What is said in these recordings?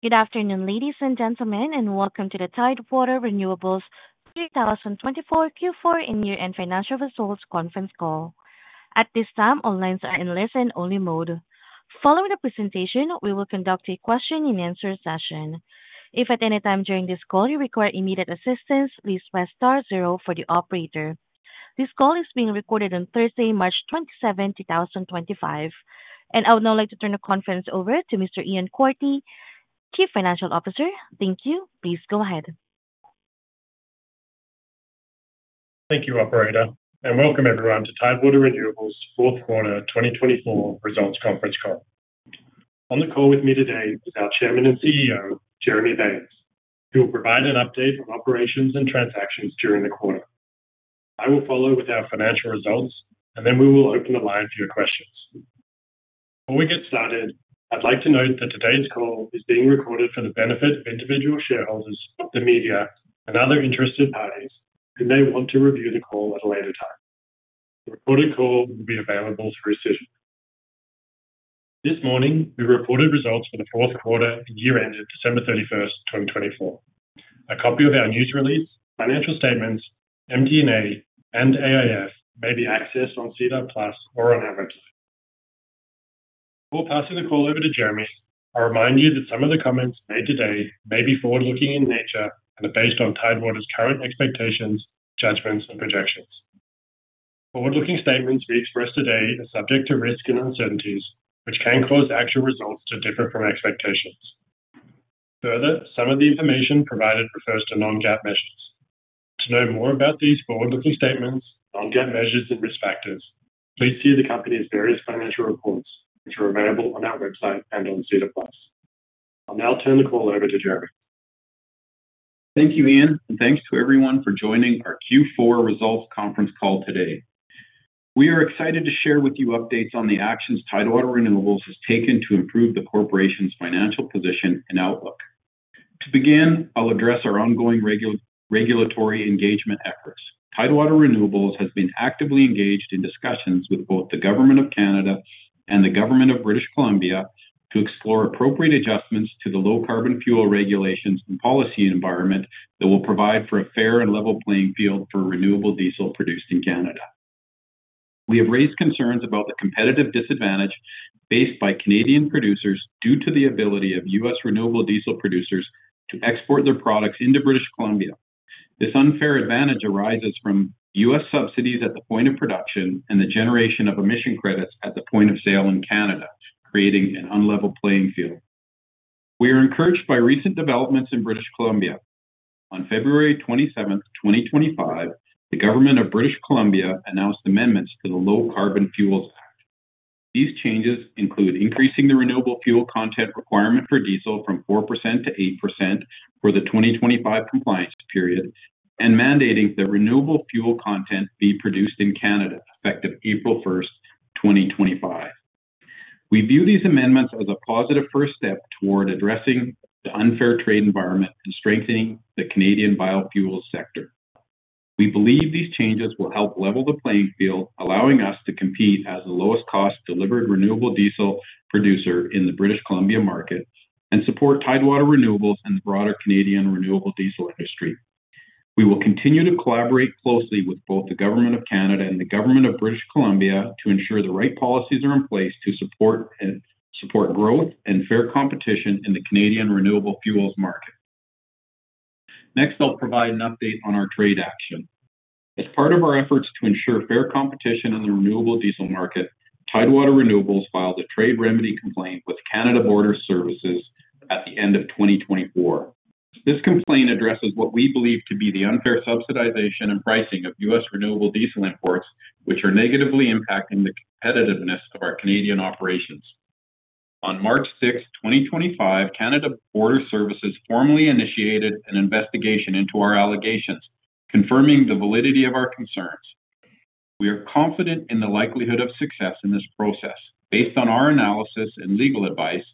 Good afternoon, ladies and gentlemen, and welcome to the Tidewater Renewables 2024 Q4 End-Year and Financial Results Conference Call. At this time, all lines are in listen-only mode. Following the presentation, we will conduct a question-and-answer session. If at any time during this call you require immediate assistance, please press star zero for the operator. This call is being recorded on Thursday, March 27, 2025. I would now like to turn the conference over to Mr. Ian Courtney, Chief Financial Officer. Thank you. Please go ahead. Thank you, Operator. Welcome, everyone, to Tidewater Renewables Fourth Quarter 2024 Results Conference Call. On the call with me today is our Chairman and CEO, Jeremy Baines, who will provide an update on operations and transactions during the quarter. I will follow with our financial results, and then we will open the line for your questions. Before we get started, I'd like to note that today's call is being recorded for the benefit of individual shareholders, the media, and other interested parties who may want to review the call at a later time. The recorded call will be available through Cision. This morning, we reported results for the fourth quarter and year-end of December 31st, 2024. A copy of our news release, financial statements, MD&A, and AIF may be accessed on SEDAR+ or on our website. Before passing the call over to Jeremy, I remind you that some of the comments made today may be forward-looking in nature and are based on Tidewater's current expectations, judgments, and projections. Forward-looking statements we express today are subject to risk and uncertainties, which can cause actual results to differ from expectations. Further, some of the information provided refers to non-GAAP measures. To know more about these forward-looking statements, non-GAAP measures, and risk factors, please see the company's various financial reports, which are available on our website and on SEDAR+. I'll now turn the call over to Jeremy. Thank you, Ian, and thanks to everyone for joining our Q4 Results Conference Call today. We are excited to share with you updates on the actions Tidewater Renewables has taken to improve the corporation's financial position and outlook. To begin, I'll address our ongoing regulatory engagement efforts. Tidewater Renewables has been actively engaged in discussions with both the Government of Canada and the Government of British Columbia to explore appropriate adjustments to the low-carbon fuel regulations and policy environment that will provide for a fair and level playing field for renewable diesel produced in Canada. We have raised concerns about the competitive disadvantage faced by Canadian producers due to the ability of U.S. renewable diesel producers to export their products into British Columbia. This unfair advantage arises from U.S. Subsidies at the point of production and the generation of emission credits at the point of sale in Canada, creating an unlevel playing field. We are encouraged by recent developments in British Columbia. On February 27th, 2025, the Government of British Columbia announced amendments to the Low Carbon Fuels Act. These changes include increasing the renewable fuel content requirement for diesel from 4% to 8% for the 2025 compliance period and mandating that renewable fuel content be produced in Canada effective April 1st, 2025. We view these amendments as a positive first step toward addressing the unfair trade environment and strengthening the Canadian biofuels sector. We believe these changes will help level the playing field, allowing us to compete as the lowest-cost delivered renewable diesel producer in the British Columbia market and support Tidewater Renewables and the broader Canadian renewable diesel industry. We will continue to collaborate closely with both the Government of Canada and the Government of British Columbia to ensure the right policies are in place to support growth and fair competition in the Canadian renewable fuels market. Next, I'll provide an update on our trade action. As part of our efforts to ensure fair competition in the renewable diesel market, Tidewater Renewables filed a trade remedy complaint with Canada Border Services at the end of 2024. This complaint addresses what we believe to be the unfair subsidization and pricing of U.S. renewable diesel imports, which are negatively impacting the competitiveness of our Canadian operations. On March 6th, 2025, Canada Border Services formally initiated an investigation into our allegations, confirming the validity of our concerns. We are confident in the likelihood of success in this process. Based on our analysis and legal advice,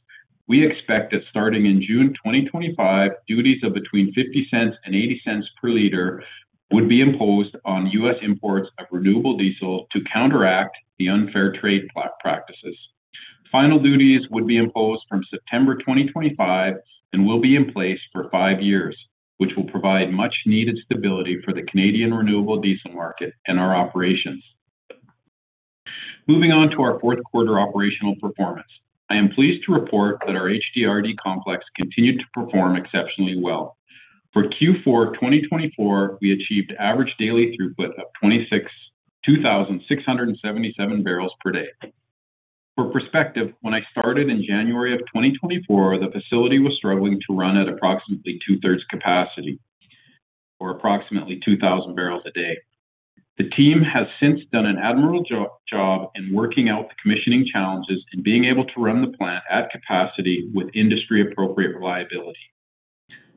we expect that starting in June 2025, duties of between 0.50 and 0.80 per liter would be imposed on U.S. imports of renewable diesel to counteract the unfair trade practices. Final duties would be imposed from September 2025 and will be in place for five years, which will provide much-needed stability for the Canadian renewable diesel market and our operations. Moving on to our fourth quarter operational performance, I am pleased to report that our HDRD complex continued to perform exceptionally well. For Q4 2024, we achieved average daily throughput of 2,677 bbl per day. For perspective, when I started in January of 2024, the facility was struggling to run at approximately 2/3 capacity or approximately 2,000 bbl a day. The team has since done an admirable job in working out the commissioning challenges and being able to run the plant at capacity with industry-appropriate reliability.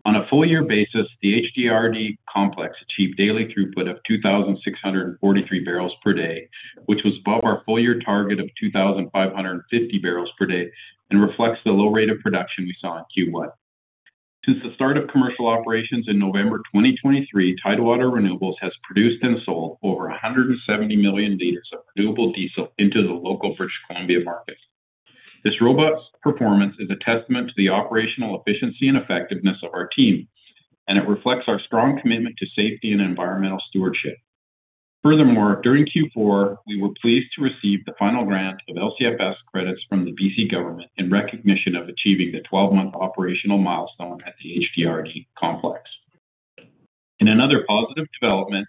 On a full-year basis, the HDRD complex achieved daily throughput of 2,643 bbl per day, which was above our full-year target of 2,550 bbl per day and reflects the low rate of production we saw in Q1. Since the start of commercial operations in November 2023, Tidewater Renewables has produced and sold over 170 million L of renewable diesel into the local British Columbia market. This robust performance is a testament to the operational efficiency and effectiveness of our team, and it reflects our strong commitment to safety and environmental stewardship. Furthermore, during Q4, we were pleased to receive the final grant of LCFS credits from the B.C. government in recognition of achieving the 12-month operational milestone at the HDRD complex. In another positive development,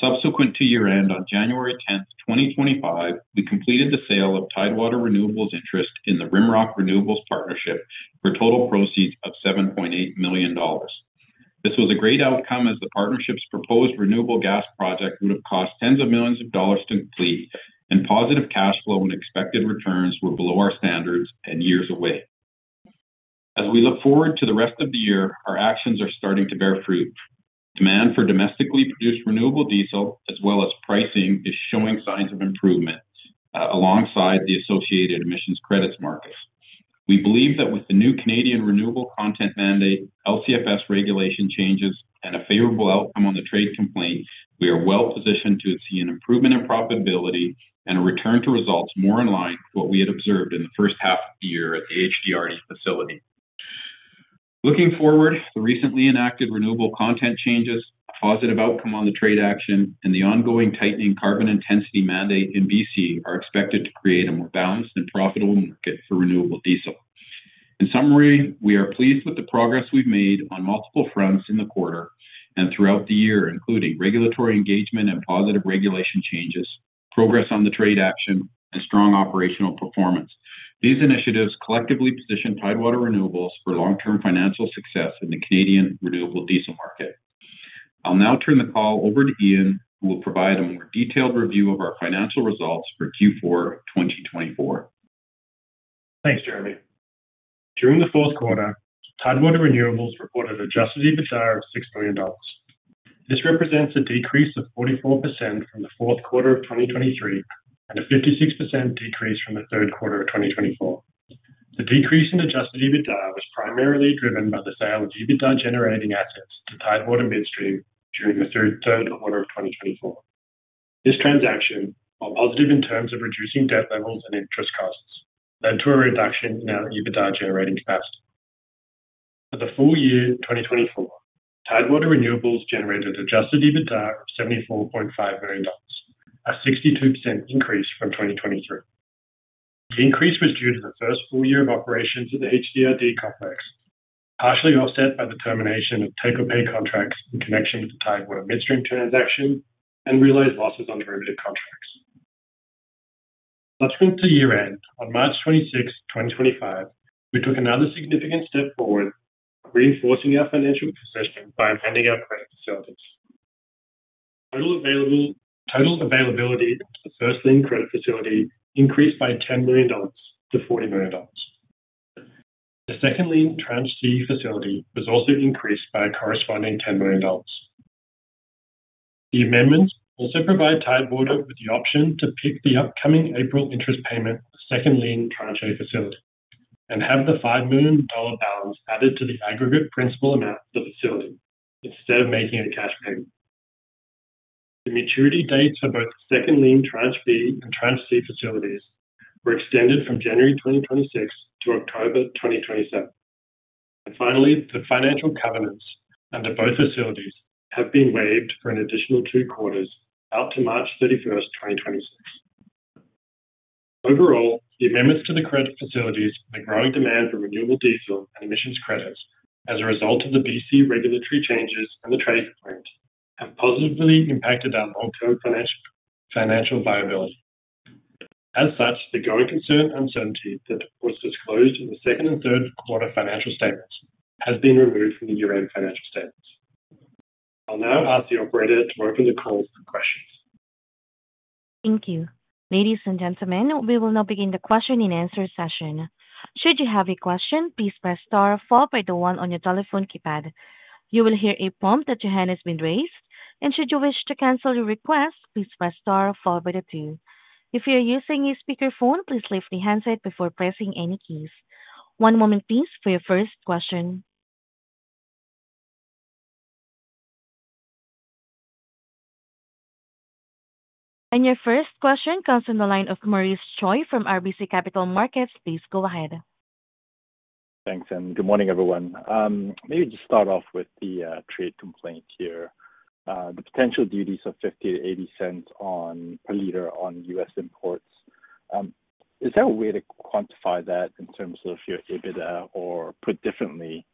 subsequent to year-end on January 10th, 2025, we completed the sale of Tidewater Renewables' interest in the Rimrock Renewables Partnership for total proceeds of 7.8 million dollars. This was a great outcome as the partnership's proposed renewable gas project would have cost tens of millions of dollars to complete, and positive cash flow and expected returns were below our standards and years away. As we look forward to the rest of the year, our actions are starting to bear fruit. Demand for domestically produced renewable diesel, as well as pricing, is showing signs of improvement alongside the associated emissions credits markets. We believe that with the new Canadian renewable content mandate, LCFS regulation changes, and a favorable outcome on the trade complaint, we are well positioned to see an improvement in profitability and a return to results more in line with what we had observed in the first half of the year at the HDRD facility. Looking forward, the recently enacted renewable content changes, a positive outcome on the trade action, and the ongoing tightening carbon intensity mandate in B.C. are expected to create a more balanced and profitable market for renewable diesel. In summary, we are pleased with the progress we've made on multiple fronts in the quarter and throughout the year, including regulatory engagement and positive regulation changes, progress on the trade action, and strong operational performance. These initiatives collectively position Tidewater Renewables for long-term financial success in the Canadian renewable diesel market. I'll now turn the call over to Ian, who will provide a more detailed review of our financial results for Q4 2024. Thanks, Jeremy. During the fourth quarter, Tidewater Renewables reported an adjusted EBITDA of 6 million dollars. This represents a decrease of 44% from the fourth quarter of 2023 and a 56% decrease from the third quarter of 2024. The decrease in adjusted EBITDA was primarily driven by the sale of EBITDA-generating assets to Tidewater Midstream during the third quarter of 2024. This transaction, while positive in terms of reducing debt levels and interest costs, led to a reduction in our EBITDA-generating capacity. For the full year 2024, Tidewater Renewables generated adjusted EBITDA of 74.5 million dollars, a 62% increase from 2023. The increase was due to the first full year of operations of the HDRD complex, partially offset by the termination of take-or-pay contracts in connection with the Tidewater Midstream transaction and realized losses on derivative contracts. Subsequent to year-end, on March 26th, 2025, we took another significant step forward, reinforcing our financial position by enhancing our credit facilities. Total availability at the first-lien credit facility increased by 10 million dollars to 40 million dollars. The second-lien tranche C facility was also increased by a corresponding 10 million dollars. The amendments also provide Tidewater with the option to pick the upcoming April interest payment for the second-lien tranche A facility and have the 5 million dollar balance added to the aggregate principal amount for the facility instead of making a cash payment. The maturity dates for both the second-lien tranche B and tranche C facilities were extended from January 2026 to October 2027. Finally, the financial covenants under both facilities have been waived for an additional two quarters out to March 31st, 2026. Overall, the amendments to the credit facilities and the growing demand for renewable diesel and emissions credits as a result of the B.C. regulatory changes and the trade complaint have positively impacted our long-term financial viability. As such, the growing concern and uncertainty that was disclosed in the second and third quarter financial statements has been removed from the year-end financial statements. I'll now ask the operator to open the call for questions. Thank you. Ladies and gentlemen, we will now begin the question and answer session. Should you have a question, please press star followed by the one on your telephone keypad. You will hear a prompt that your hand has been raised. Should you wish to cancel your request, please press star followed by the two. If you are using a speakerphone, please lift the handset before pressing any keys. One moment, please, for your first question. Your first question comes from the line of Maurice Choy from RBC Capital Markets. Please go ahead. Thanks. Good morning, everyone. Maybe just start off with the trade complaint here. The potential duties of 0.50-0.80 per liter on U.S. imports, is there a way to quantify that in terms of your EBITDA or put differently,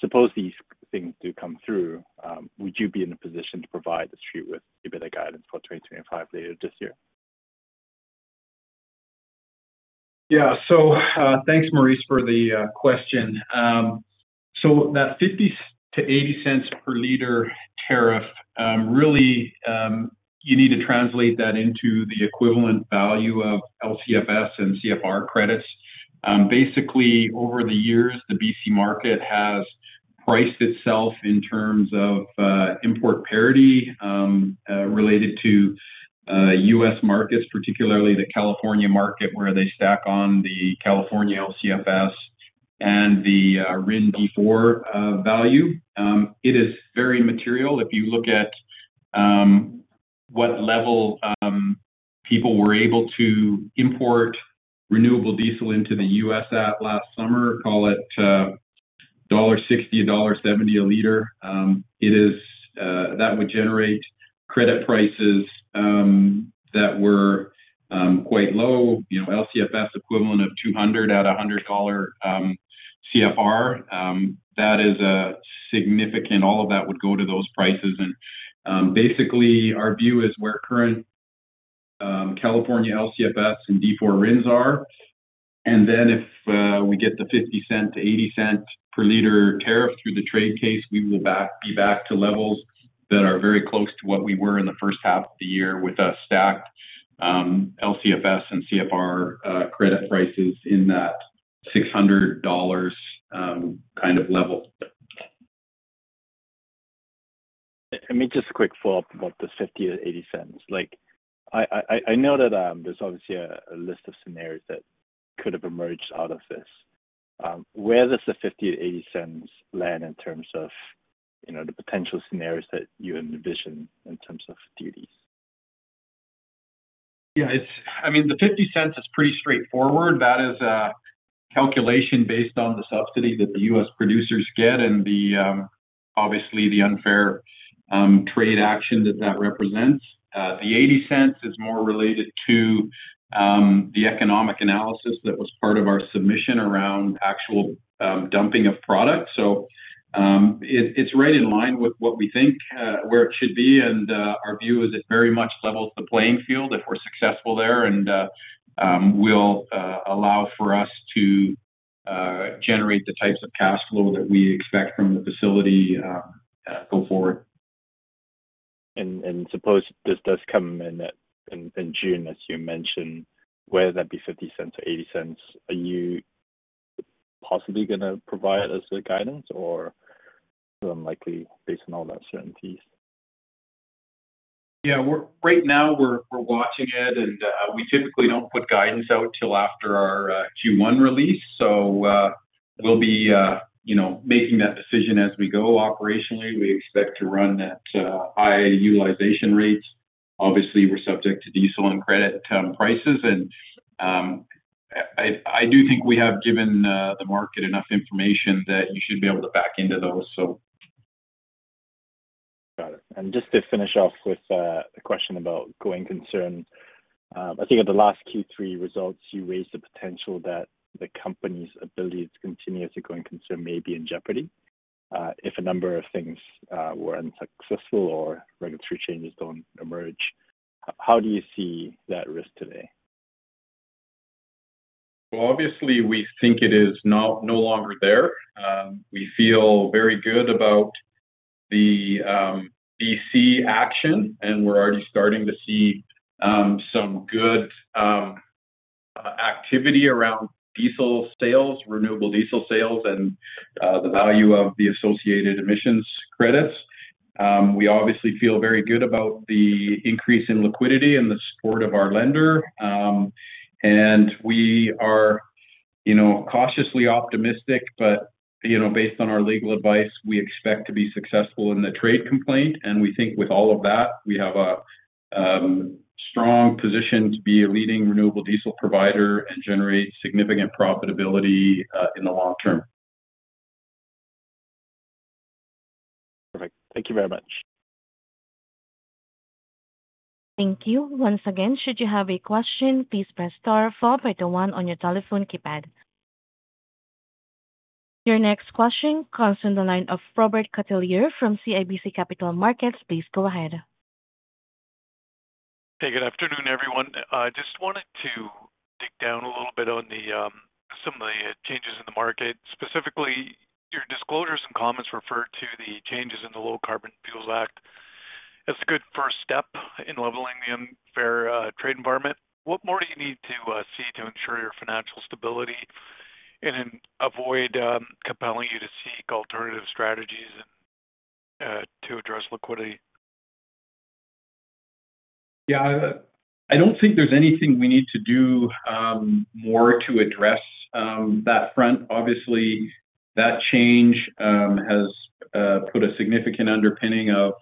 suppose these things do come through, would you be in a position to provide the Street with EBITDA guidance for 2025 later this year? Yeah. Thanks, Maurice, for the question. That 0.50-0.80 per liter tariff, really, you need to translate that into the equivalent value of LCFS and CFR credits. Basically, over the years, the B.C. market has priced itself in terms of import parity related to U.S. markets, particularly the California market, where they stack on the California LCFS and the RIN D4 value. It is very material. If you look at what level people were able to import renewable diesel into the U.S. at last summer, call it 1.60 dollar, 1.70 a liter, that would generate credit prices that were quite low, LCFS equivalent of 200 at 100 dollar CFR. That is significant. All of that would go to those prices. Basically, our view is where current California LCFS and D4 RINs are. If we get the 0.50-0.80 per liter tariff through the trade case, we will be back to levels that are very close to what we were in the first half of the year with a stack LCFS and CFR credit prices in that 600 dollars kind of level. Let me just quick follow up about the 0.50-0.80. I know that there's obviously a list of scenarios that could have emerged out of this. Where does the 0.50-0.80 land in terms of the potential scenarios that you envision in terms of duties? Yeah. I mean, the 0.50 is pretty straightforward. That is a calculation based on the subsidy that the U.S. producers get and obviously the unfair trade action that that represents. The 0.80 is more related to the economic analysis that was part of our submission around actual dumping of product. It is right in line with what we think where it should be. Our view is it very much levels the playing field if we're successful there, and will allow for us to generate the types of cash flow that we expect from the facility go forward. Suppose this does come in June, as you mentioned, whether that be 0.50 or 0.80, are you possibly going to provide us with guidance, or is it unlikely based on all that certainty? Yeah. Right now, we're watching it, and we typically don't put guidance out until after our Q1 release. We will be making that decision as we go. Operationally, we expect to run at high utilization rates. Obviously, we're subject to diesel and credit prices. I do think we have given the market enough information that you should be able to back into those. Got it. Just to finish off with a question about going concern, I think at the last Q3 results, you raised the potential that the company's ability to continue as a going concern may be in jeopardy if a number of things were unsuccessful or regulatory changes do not emerge. How do you see that risk today? Obviously, we think it is no longer there. We feel very good about the B.C. action, and we're already starting to see some good activity around diesel sales, renewable diesel sales, and the value of the associated emissions credits. We obviously feel very good about the increase in liquidity and the support of our lender. We are cautiously optimistic, but based on our legal advice, we expect to be successful in the trade complaint. We think with all of that, we have a strong position to be a leading renewable diesel provider and generate significant profitability in the long term. Perfect. Thank you very much. Thank you. Once again, should you have a question, please press star followed by the one on your telephone keypad. Your next question comes from the line of Robert Catellier from CIBC Capital Markets. Please go ahead. Hey, good afternoon, everyone. I just wanted to dig down a little bit on some of the changes in the market. Specifically, your disclosures and comments refer to the changes in the Low Carbon Fuels Act. It's a good first step in leveling the unfair trade environment. What more do you need to see to ensure your financial stability and avoid compelling you to seek alternative strategies to address liquidity? Yeah. I don't think there's anything we need to do more to address that front. Obviously, that change has put a significant underpinning of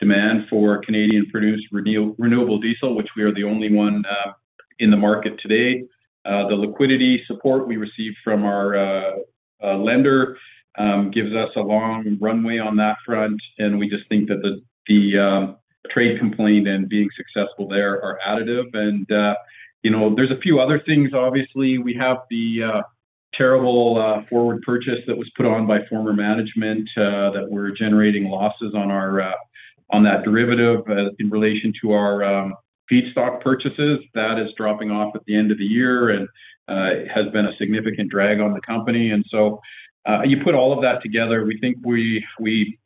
demand for Canadian-produced renewable diesel, which we are the only one in the market today. The liquidity support we received from our lender gives us a long runway on that front. We just think that the trade complaint and being successful there are additive. There are a few other things. Obviously, we have the terrible forward purchase that was put on by former management that we're generating losses on that derivative in relation to our feedstock purchases. That is dropping off at the end of the year and has been a significant drag on the company. You put all of that together, we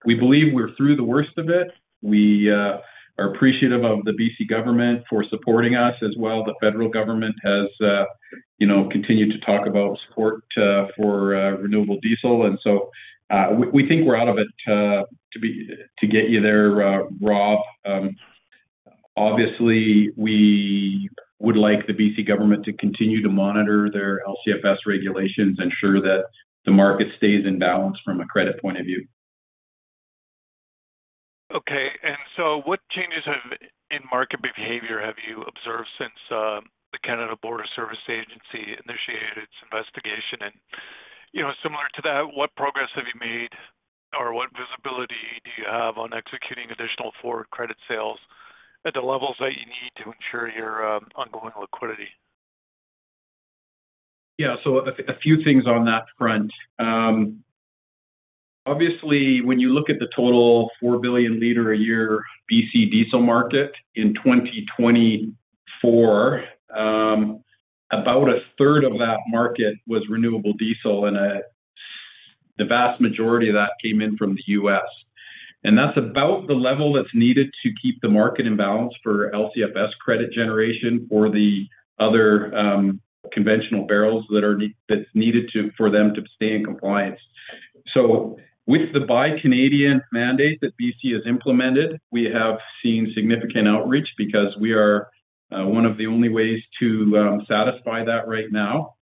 believe we're through the worst of it. We are appreciative of the B.C. government for supporting us as well. The federal government has continued to talk about support for renewable diesel. We think we are out of it to get you there, Rob. Obviously, we would like the B.C. government to continue to monitor their LCFS regulations and ensure that the market stays in balance from a credit point of view. Okay. What changes in market behavior have you observed since the Canada Border Services Agency initiated its investigation? Similar to that, what progress have you made or what visibility do you have on executing additional forward credit sales at the levels that you need to ensure your ongoing liquidity? Yeah. A few things on that front. Obviously, when you look at the total 4 billion L a year B.C. diesel market in 2024, about 1/3 of that market was renewable diesel, and the vast majority of that came in from the U.S. That is about the level that is needed to keep the market in balance for LCFS credit generation for the other conventional barrels that are needed for them to stay in compliance. With the Buy Canadian mandate that B.C. has implemented, we have seen significant outreach because we are one of the only ways to satisfy that right now.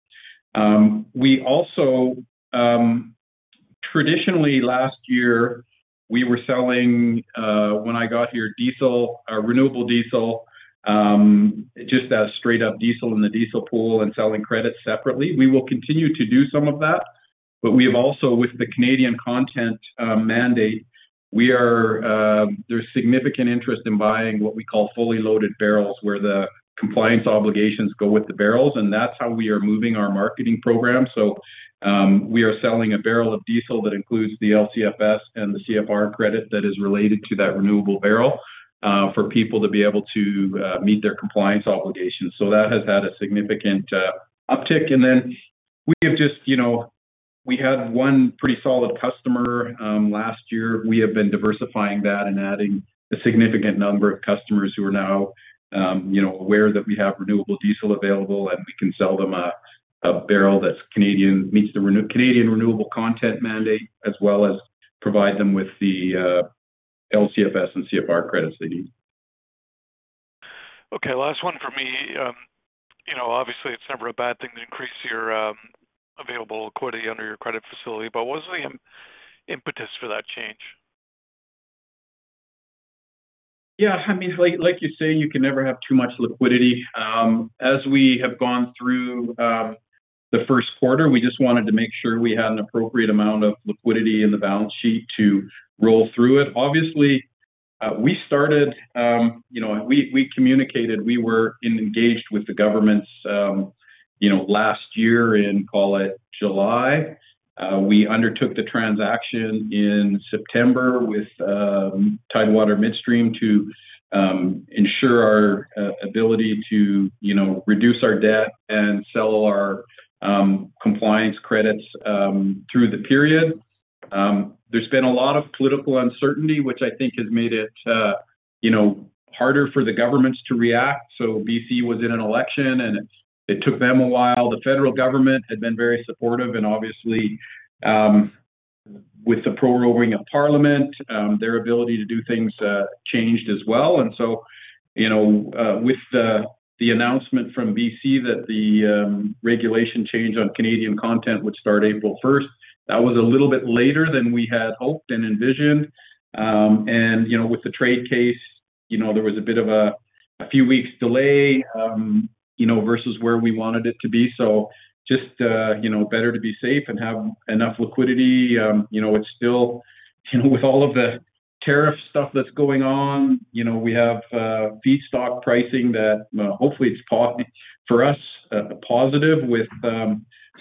Traditionally, last year, we were selling, when I got here, renewable diesel just as straight-up diesel in the diesel pool and selling credits separately. We will continue to do some of that. We have also, with the Canadian content mandate, seen significant interest in buying what we call fully loaded barrels where the compliance obligations go with the barrels. That is how we are moving our marketing program. We are selling a barrel of diesel that includes the LCFS and the CFR credit that is related to that renewable barrel for people to be able to meet their compliance obligations. That has had a significant uptick. We had one pretty solid customer last year. We have been diversifying that and adding a significant number of customers who are now aware that we have renewable diesel available, and we can sell them a barrel that meets the Canadian renewable content mandate as well as provide them with the LCFS and CFR credits they need. Okay. Last one for me. Obviously, it's never a bad thing to increase your available liquidity under your credit facility. What was the impetus for that change? Yeah. I mean, like you say, you can never have too much liquidity. As we have gone through the first quarter, we just wanted to make sure we had an appropriate amount of liquidity in the balance sheet to roll through it. Obviously, we started, we communicated, we were engaged with the governments last year in, call it July. We undertook the transaction in September with Tidewater Midstream to ensure our ability to reduce our debt and sell our compliance credits through the period. There's been a lot of political uncertainty, which I think has made it harder for the governments to react. B.C. was in an election, and it took them a while. The federal government had been very supportive. Obviously, with the proroguing of Parliament, their ability to do things changed as well. With the announcement from B.C. that the regulation change on Canadian content would start April 1st, that was a little bit later than we had hoped and envisioned. With the trade case, there was a bit of a few weeks' delay versus where we wanted it to be. Just better to be safe and have enough liquidity. It is still, with all of the tariff stuff that is going on, we have feedstock pricing that hopefully is for us positive with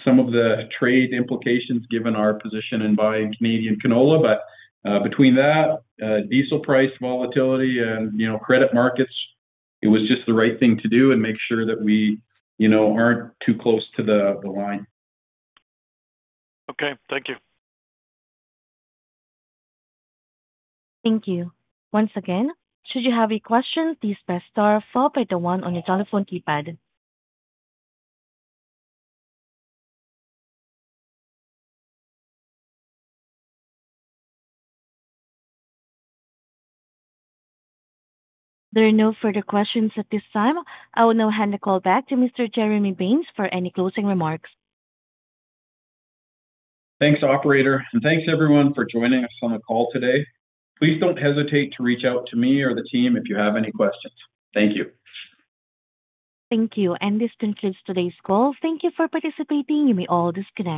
some of the trade implications given our position in buying Canadian canola. Between that, diesel price volatility and credit markets, it was just the right thing to do and make sure that we are not too close to the line. Okay. Thank you. Thank you. Once again, should you have any questions, please press star followed by the one on your telephone keypad. There are no further questions at this time. I will now hand the call back to Mr. Jeremy Baines for any closing remarks. Thanks, operator. Thanks, everyone, for joining us on the call today. Please do not hesitate to reach out to me or the team if you have any questions. Thank you. Thank you. This concludes today's call. Thank you for participating. You may all disconnect.